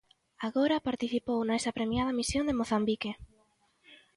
Agora participou nesa premiada misión en Mozambique.